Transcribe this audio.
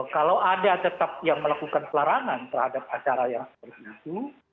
kalau ada tetap yang melakukan pelarangan terhadap acara yang seperti itu